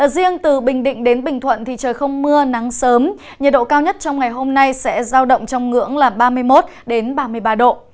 riêng từ bình định đến bình thuận thì trời không mưa nắng sớm nhiệt độ cao nhất trong ngày hôm nay sẽ giao động trong ngưỡng là ba mươi một ba mươi ba độ